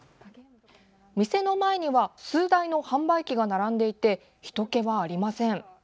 店の前には数台の販売機が並んでいて人けはありません。